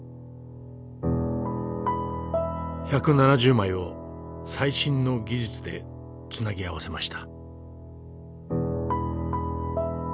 １７０枚を最新の技術でつなぎ合わせました。